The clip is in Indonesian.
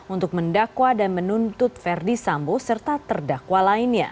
untuk mendakwa dan menuntut verdi sambo serta terdakwa lainnya